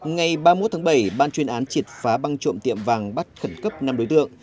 ngày ba mươi một tháng bảy ban chuyên án triệt phá băng trộm tiệm vàng bắt khẩn cấp năm đối tượng